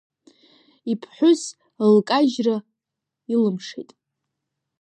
Иԥҳәыс лкажьра илымшеит.